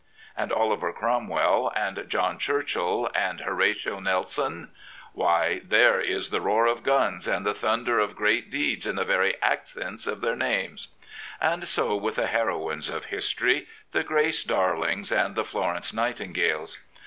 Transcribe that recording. And Oliver Cromwell and John Churchill and Horatio Nelson 1 Why, there is the roar of guns and the thunder of great deeds in the very accents of their names. And so with the heroines of history, the Grace Darlings and the Florence Nightingales.